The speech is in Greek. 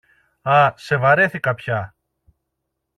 Α, σε βαρέθηκα πια!